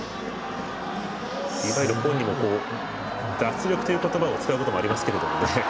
いわゆる本人も脱力という言葉を使うこともありますけどね。